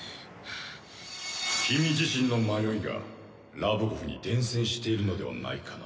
君自身の迷いがラブコフに伝染しているのではないかな。